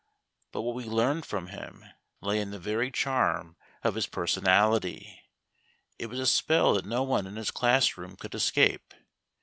But what we learned from him lay in the very charm of his personality. It was a spell that no one in his class room could escape.